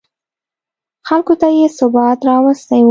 خلکو ته یې ثبات راوستی و.